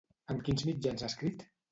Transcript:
En quins mitjans ha escrit?